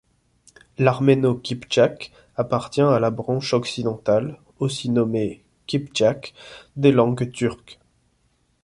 L'arméno-kiptchak appartient à la branche occidentale, aussi nommée kiptchak, des langues turques.